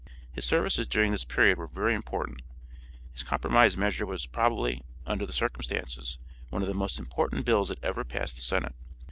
His services during this period were very important. His compromise measure was probably, under the circumstances, one of the most important bills that ever passed the senate.